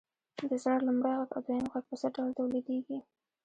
د زړه لومړی غږ او دویم غږ په څه ډول تولیدیږي؟